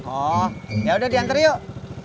oh yaudah diantar yuk